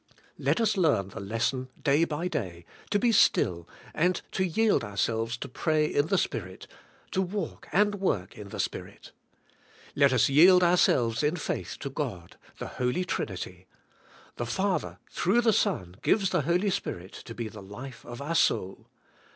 Let us learn the lesson day by day, to be still and to yield ourselves to pray in the Spirit; to walk and work in the Spirit. Let us yield ourselves in faith to God, the Holy Trinity; the Father, through the Son gives the Holy Spirit to be the life of our soul.